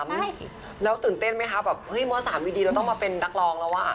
ไม่แล้วตื่นเต้นไหมคะแบบเฮ้ยม๓ดีเราต้องมาเป็นนักร้องแล้วว่ะ